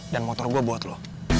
dan motor gue buat lu